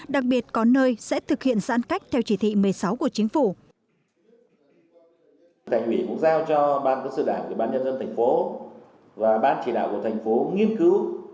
đặc biệt có nơi sẽ thực hiện giãn cách theo chỉ thị một mươi sáu của chính phủ